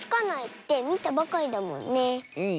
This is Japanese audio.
うん。